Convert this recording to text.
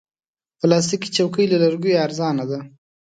پلاستيکي چوکۍ له لرګیو ارزانه وي.